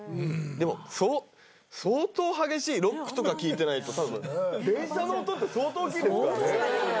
でも相当激しいロックとか聴いてないと多分電車の音って相当大きいですからね